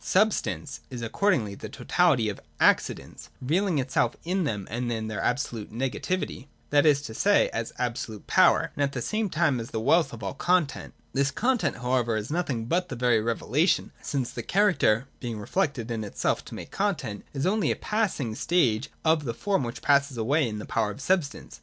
j Substance is accordingly the totality of the Ac cidents, revealing itself in them as their absolute nega tivity, (that is to say, as absolute power,) and at the same time as the wealth of all content. This content however is nothing but that very revelation, since the character (being reflected in itself to make content) is only a passing stage of the form which passes away in the power of substance.